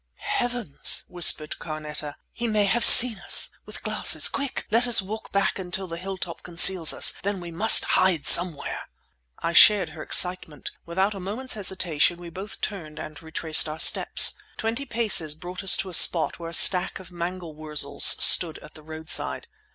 "Heavens!" whispered Carneta. "He may have seen us—with glasses! Quick! Let us walk back until the hill top conceals us; then we must hide somewhere!" I shared her excitement. Without a moment's hesitation we both turned and retraced our steps. Twenty paces brought us to a spot where a stack of mangel wurzels stood at the roadside.